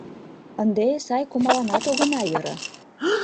Ынде сай кумаланат огына йӧрӧ!..